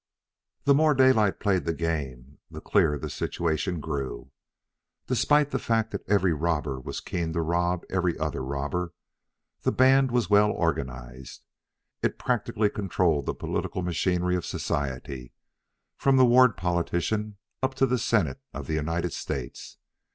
The more Daylight played the game, the clearer the situation grew. Despite the fact that every robber was keen to rob every other robber, the band was well organized. It practically controlled the political machinery of society, from the ward politician up to the Senate of the United States.